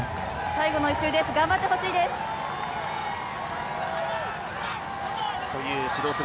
最後の１周、レース頑張ってほしいです。